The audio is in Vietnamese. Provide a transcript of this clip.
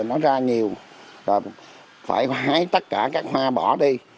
nó ra nhiều và phải hái tất cả các hoa bỏ đi